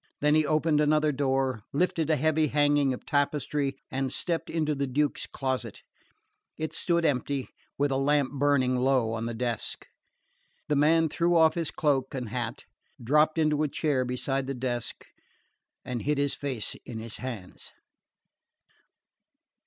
Then he opened another door, lifted a heavy hanging of tapestry, and stepped into the Duke's closet. It stood empty, with a lamp burning low on the desk. The man threw off his cloak and hat, dropped into a chair beside the desk, and hid his face in his hands.